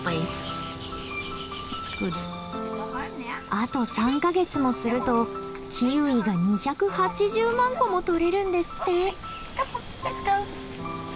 あと３か月もするとキウイが２８０万個も取れるんですって！